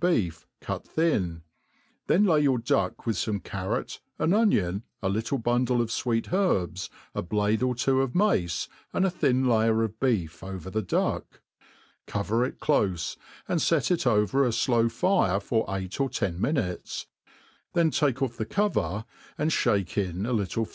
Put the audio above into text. beef, cut thin 5 then lay your duck with fome carrot, an onion, a little bundle of fweet herbs, a blade or two of mace, and a thin kyer of beef aver the duck ; cover it clofe, and {^ it over a flow fire for eight or ten minutes ; then take off the cover and ihake in a little.